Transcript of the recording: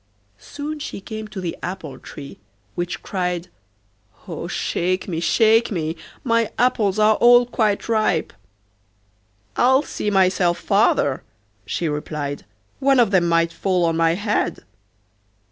Soon she came to the apple tree, which cried: 'Oh! shake me, shake me, my apples are all quite ripe.' 'I'll see myself farther,' she replied, 'one of them might fall on my head.